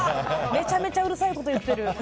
めちゃめちゃうるさいこと言ってる。